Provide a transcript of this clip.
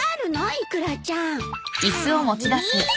イクラちゃん。